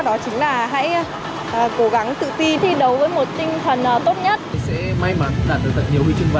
đó chính là hãy cố gắng tự tin thi đấu với một tinh thần tốt nhất